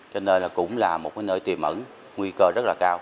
cho nên là cũng là một nơi tiềm ẩn nguy cơ rất là cao